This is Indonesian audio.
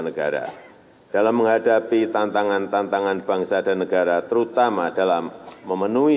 negara dalam menghadapi tantangan tantangan bangsa dan negara terutama dalam memenuhi